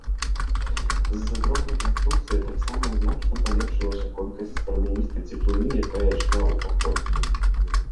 З-за дробнай канструкцыі таксама значна палепшылася колькасць прамяністай цеплыні, якая ішла ў пакой.